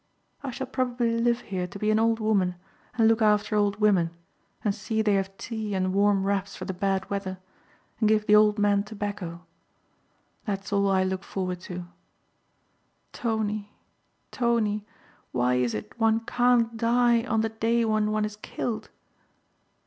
"I shall probably live here to be an old woman and look after other old women and see they have tea and warm wraps for the bad weather, and give the old men tobacco. That's all I look forward to. Tony, Tony, why is it one can't die on the day when one is killed?"